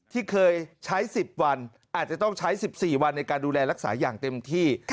ที่เคยใช้๑๐วันอาจจะต้องใช้๑๔วันในการดูแลรักษาอย่างเต็มที่